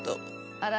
あら！